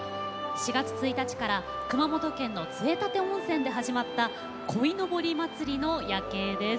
４月１日から熊本県の杖立温泉で始まった鯉のぼり祭りの夜景です。